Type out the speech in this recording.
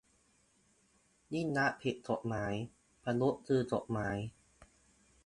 ยิ่งลักษณ์ผิดกฎหมาย ประยุทธ์คือกฎหมาย